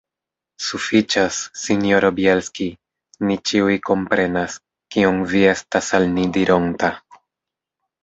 Sufiĉas, sinjoro Bjelski; ni ĉiuj komprenas, kion vi estas al ni dironta.